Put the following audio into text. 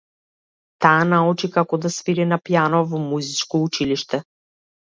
Таа научи како да свири на пијано во музичко училиште.